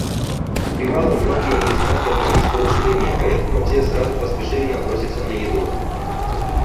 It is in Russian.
К привалу многие из нас добрались полуживыми, поэтому все сразу поспешили наброситься на еду.